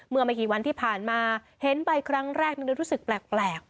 เมื่อไม่กี่วันที่ผ่านมาเห็นไปครั้งแรกนั้นรู้สึกแปลก